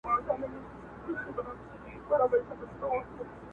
مجبوره یې د وریښتانو